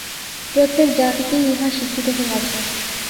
প্রত্যেক জাতিকেই ইহা শিখিতে হইয়াছে।